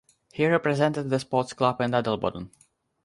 He represented the sports club in Adelboden.